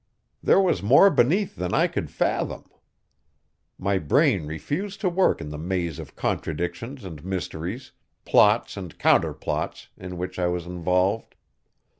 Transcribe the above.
There was more beneath than I could fathom. My brain refused to work in the maze of contradictions and mysteries, plots and counterplots, in which I was involved.